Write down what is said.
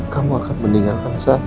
kamu akan meninggalkan zahna din